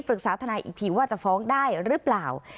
ปรึกษาธนาคมอีกทีว่าจะฟ้องได้หรือเปล่า